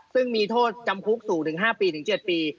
ซึ่งมีโทษจำคุกสูงถึง๕ปีถึง๗ปี